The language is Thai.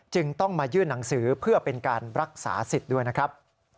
จึงต้องมายื่นหนังสือเพื่อเป็นการรักษาสิทธิ์ด้วยนะครับ